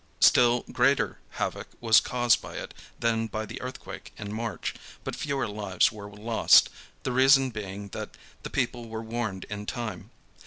Still greater havoc was caused by it than by the earthquake in March, but fewer lives were lost, the reason being that the people were warned in time.